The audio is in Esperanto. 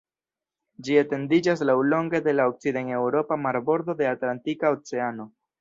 Ĝi etendiĝas laŭlonge de la okcident-eŭropa marbordo de Atlantika Oceano.